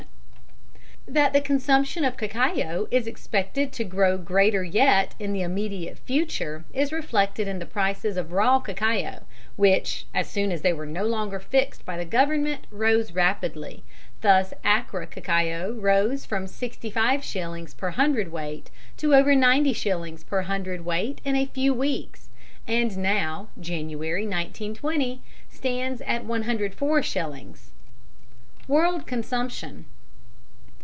1 That the consumption of cacao is expected to grow greater yet in the immediate future is reflected in the prices of raw cacao, which, as soon as they were no longer fixed by the Government, rose rapidly, thus Accra cacao rose from 65s. per hundredweight to over 90s. per hundredweight in a few weeks, and now (January, 1920) stands at 104s. (See diagram p. 113). _World Consumption.